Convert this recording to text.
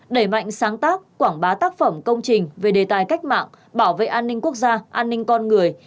đẩy mạnh sáng tác quảng bá tác phẩm công trình về đề tài cách mạng bảo vệ an ninh quốc gia an ninh con người